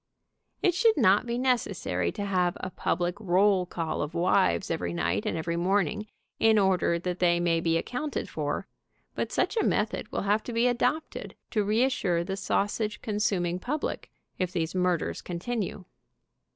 It should not be necessary to have a public roll call of wives every night and every morn ing in order that they may be accounted for, but such a method will have to be adopted to reassure the sausage consuming public, if these murders continue.